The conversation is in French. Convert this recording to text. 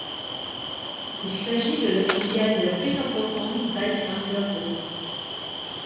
Il s'agit de la filiale la plus importante d'Icelandair Group.